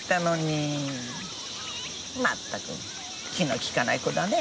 まったく気の利かない子だね。